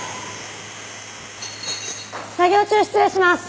作業中失礼します。